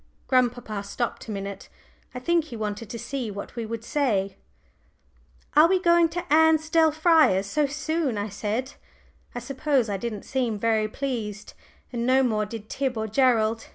Grandpapa stopped a minute. I think he wanted to see what we would say. "Are we to go to Ansdell Friars so soon?" I said. I suppose I didn't seem very pleased, and no more did Tib or Gerald.